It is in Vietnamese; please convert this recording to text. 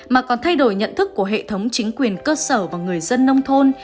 mà còn thay đổi nhận thức của hệ thống chính quyền cơ sở và người dân nông thôn